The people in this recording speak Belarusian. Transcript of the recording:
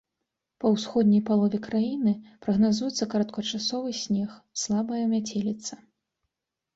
Па ўсходняй палове краіны прагназуецца кароткачасовы снег, слабая мяцеліца.